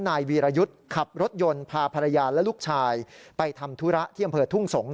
นายวีรยุทธ์ขับรถยนต์พาภรรยาและลูกชายไปทำธุระที่อำเภอทุ่งสงศ